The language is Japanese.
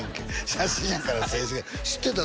写真やから静止画や知ってた？